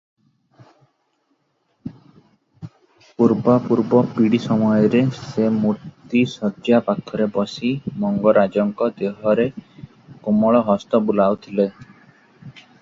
ପୂର୍ବାପୂର୍ବ ପୀଡ଼ା ସମୟରେ ସେ ମୂର୍ତ୍ତି ଶଯ୍ୟା ପାଖରେ ବସି ମଙ୍ଗରାଜଙ୍କ ଦେହରେ କୋମଳ ହସ୍ତ ବୁଲାଉଥିଲେ ।